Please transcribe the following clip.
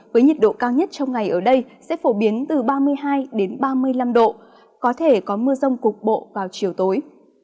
với nhiệt độ cao nhất trong ngày ở đây sẽ phổ biến từ ba mươi hai ba mươi năm độ có thể có mưa rông cục bộ vào chiều tối